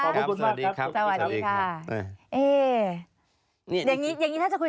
ครับสวัสดีครับสวัสดีครับเอ่ยอย่างงี้อย่างงี้ถ้าจะคุย